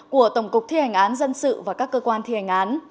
của tổng cục thi hành án dân sự và các cơ quan thi hành án